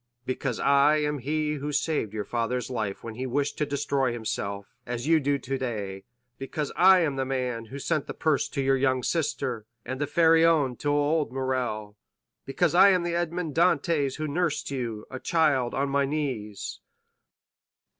"Because I am he who saved your father's life when he wished to destroy himself, as you do today—because I am the man who sent the purse to your young sister, and the Pharaon to old Morrel—because I am the Edmond Dantès who nursed you, a child, on my knees."